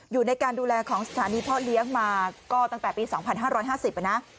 อยู่ในการดูแลของสถานีพ่อเลี้ยงมาก็ตั้งแต่ปี๒๕๕๐นะ